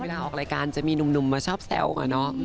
เวลาออกรายการจะมีหนุ่มมาชอบแซวอะเนาะ